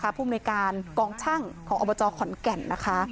หรือเป็นหลุมในการกองชั่งของอบจขอนแก่นนะคะ